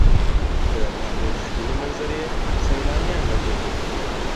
د پامیر ښکلي منظرې سیلانیان راجلبوي.